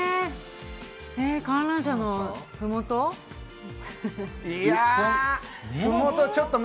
観覧車のふもと？